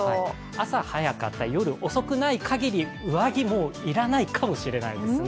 朝早かったり、夜、遅くないかぎり上着、もう要らないかもしれないですね。